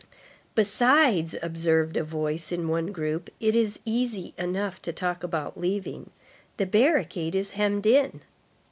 "Besides," observed a voice in one group, "it is easy enough to talk about leaving. The barricade is hemmed in."